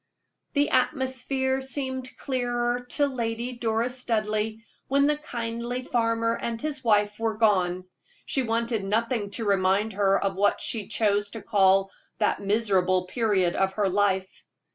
The atmosphere seemed clearer to Lady Doris Studleigh when the kindly farmer and his wife were gone; she wanted nothing to remind her of what she chose to call that miserable period of her life.